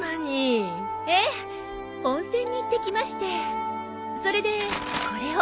ええ温泉に行ってきましてそれでこれを。